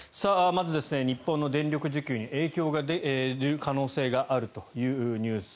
まず、日本の電力需給に影響が出る可能性があるというニュース